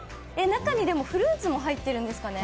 中にフルーツも入ってるんですかね？